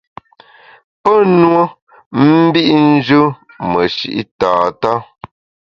Pe nue mbit njù meshi’ tata.